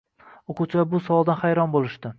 O‘quvchilar bu savoldan hayron bo‘lishdi.